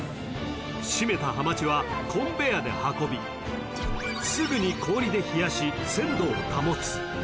［締めたはまちはコンベヤーで運びすぐに氷で冷やし鮮度を保つ］